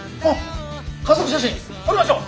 家族写真撮りましょう！